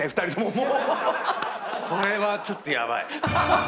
これはちょっとヤバい。